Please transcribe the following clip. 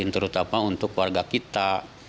terutama untuk warga kita